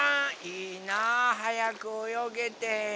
いいなはやくおよげて。